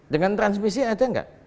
dengan transmisi ada nggak